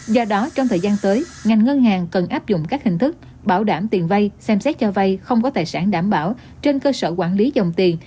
do đó trong thời gian tới ngành ngân hàng cần áp dụng các hình thức bảo đảm tiền vay xem xét cho vay không có tài sản đảm bảo trên cơ sở quản lý dòng tiền